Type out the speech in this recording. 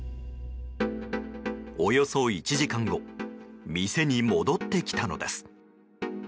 およそ１時間後店に戻ってきたのです。